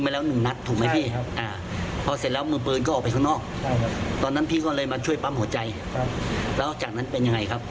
แล้วผมก็ผ่าออกมาจากตรงนั้น